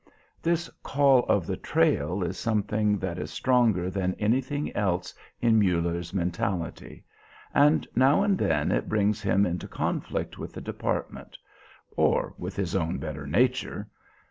This call of the trail is something that is stronger than anything else in Muller's mentality, and now and then it brings him into conflict with the department,... or with his own better nature.